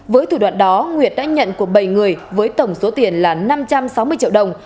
với thủ đoạn đó nguyệt đã nhận của bảy người với tổng số tiền là năm trăm sáu mươi triệu đồng